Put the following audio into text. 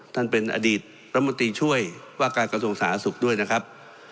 ท่านเป็นอดีตรัฐมนตรีช่วยว่าการกระทรวงสาธารณสุขด้วยนะครับ